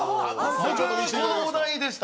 僕このお題でした。